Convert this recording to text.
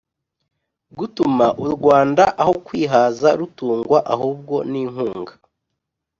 gutuma u rwanda aho kwihaza rutungwa ahubwo n inkunga